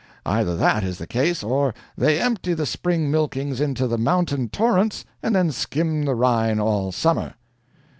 Either that is the case or they empty the spring milkings into the mountain torrents and then skim the Rhine all summer."